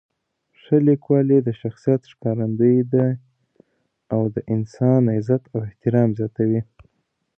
ښه لیکوالی د شخصیت ښکارندوی دی او د انسان عزت او احترام زیاتوي.